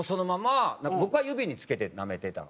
僕は指につけてなめてた。